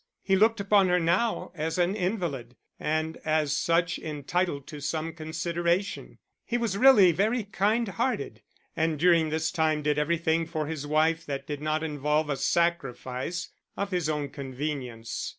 He looked upon her now as an invalid, and as such entitled to some consideration; he was really very kind hearted, and during this time did everything for his wife that did not involve a sacrifice of his own convenience.